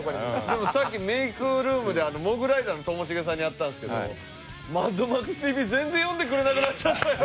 でもさっきメイクルームでモグライダーのともしげさんに会ったんですけど「『マッドマックスＴＶ』全然呼んでくれなくなっちゃったよ」